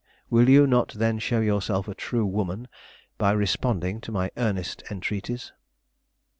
Will you not then show yourself a true woman by responding to my earnest entreaties?"